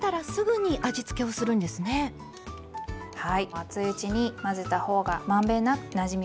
熱いうちに混ぜた方が満遍なくなじみます。